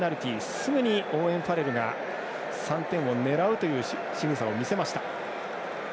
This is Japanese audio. すぐにオーウェン・ファレルが３点を狙うというしぐさを見せました。